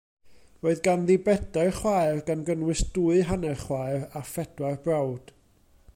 Roedd ganddi bedair chwaer, gan gynnwys dwy hanner chwaer, a phedwar brawd.